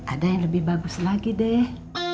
ada yang lebih bagus lagi deh